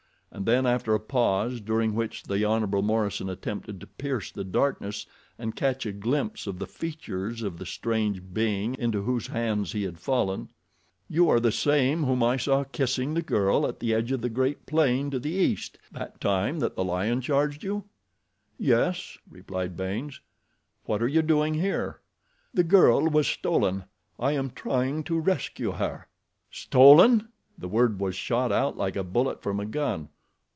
And then after a pause during which the Hon. Morison attempted to pierce the darkness and catch a glimpse of the features of the strange being into whose hands he had fallen, "You are the same whom I saw kissing the girl at the edge of the great plain to the East, that time that the lion charged you?" "Yes," replied Baynes. "What are you doing here?" "The girl was stolen—I am trying to rescue her." "Stolen!" The word was shot out like a bullet from a gun.